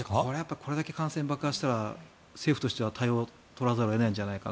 これだけ感染爆発したら政府としては対応を取らざるを得ないんじゃないかな。